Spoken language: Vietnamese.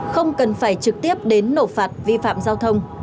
không cần phải trực tiếp đến nộp phạt vi phạm giao thông